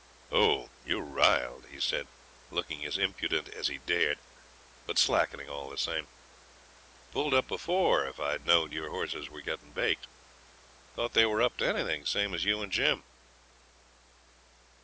'Oh! you're riled!' he said, looking as impudent as he dared, but slackening all the same. 'Pulled up before if I knowed your horses were getting baked. Thought they were up to anything, same as you and Jim.'